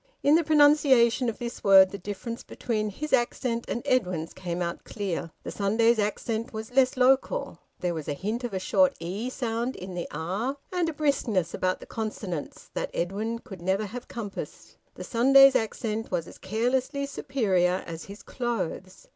In the pronunciation of this word the difference between his accent and Edwin's came out clear. The Sunday's accent was less local; there was a hint of a short "e" sound in the "a," and a briskness about the consonants, that Edwin could never have compassed. The Sunday's accent was as carelessly superior as his clothes.